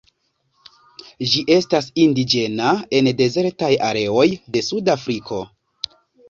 Ĝi estas indiĝena en dezertaj areoj de suda Afriko.